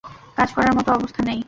কাজ করার মতো অবস্থায় নেই।